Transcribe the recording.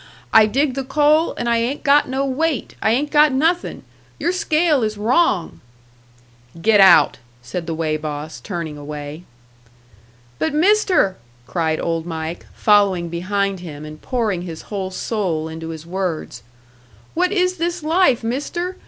I dig the coal and I ain't got no weight, I ain't got nothing! Your scale is wrong!" "Get out!" said the weigh boss, turning away. "But, Mister!" cried Old Mike, following behind him, and pouring his whole soul into his words. "What is this life, Mister?